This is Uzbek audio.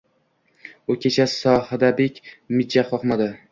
U kecha Sohibadek mijja qoqmadi